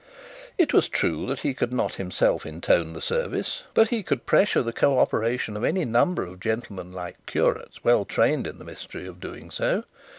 It was true that he could not himself intone the service, but he could pressure the co operation of any number of gentlemanlike curates well trained in the mystery of doing so.